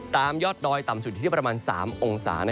ยอดดอยต่ำสุดอยู่ที่ประมาณ๓องศา